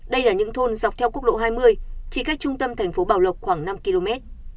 đây là những thôn dọc theo quốc lộ hai mươi chỉ cách trung tâm thành phố bảo lộc khoảng năm km